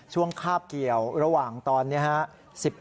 ช่วงคาบเกี่ยวระหว่างตอนนี้